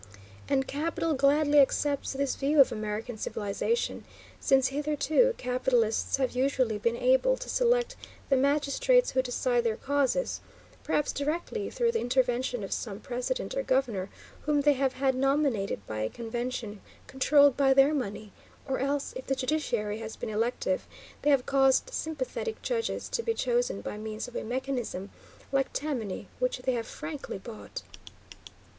And capital gladly accepts this view of American civilization, since hitherto capitalists have usually been able to select the magistrates who decide their causes, perhaps directly through the intervention of some president or governor whom they have had nominated by a convention controlled by their money, or else, if the judiciary has been elective, they have caused sympathetic judges to be chosen by means of a mechanism like Tammany, which they have frankly bought.